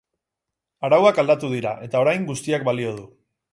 Arauak aldatu dira eta orain guztiak balio du.